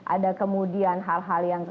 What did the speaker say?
ada kemudian hal hal yang